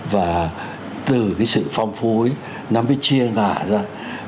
và từ cái sự phong phú ấy nó mới chia ngã ra